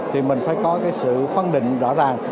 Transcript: thì mình phải có cái sự phân định rõ ràng